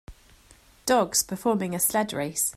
Dogs performing a sled race